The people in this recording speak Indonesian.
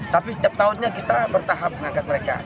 tapi setiap tahunnya kita bertahap mengangkat mereka